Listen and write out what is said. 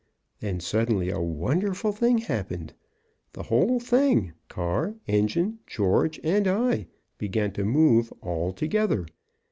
Then suddenly a wonderful thing happened. The whole thing car, engine, George, and I began to move, all together.